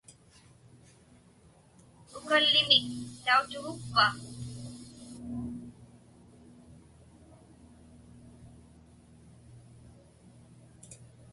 Ukallimik tautugukpa?